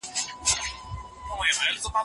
آیا دا نظر له جمهورو فقهاوو سره موافق دی؟